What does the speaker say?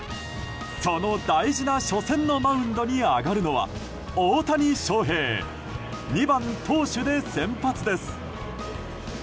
その大事な初戦のマウンドに上がるのは大谷翔平２番投手で先発です。